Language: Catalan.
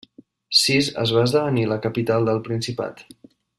Sis va esdevenir la capital del principat.